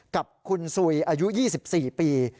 กับคุณซุยอายุ๒๔ปี